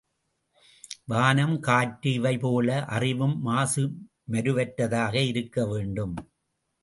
வானம், காற்று இவைபோல, அறிவும் மாசு மருவற்றதாக இருக்க வேண்டும்.